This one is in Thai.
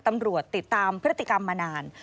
ตำรวจติดตามพฤติกรรมมานาน